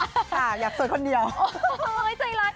ค่ะอยากสวยคนเดียว